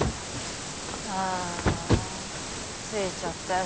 ああ着いちゃったよ